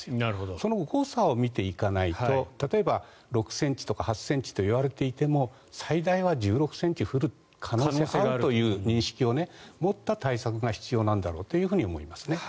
その誤差を見ていかないと例えば６ｃｍとか８ｃｍと言われていても最大は１６ｃｍ降る可能性もあるという認識を持った対策が必要なんだろうと思いますね。